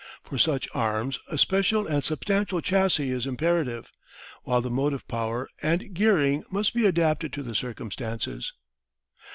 For such arms a special and substantial chassis is imperative, while the motive power and gearing must be adapted to the circumstances.